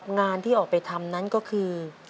งานที่ออกไปทำนั้นก็คือ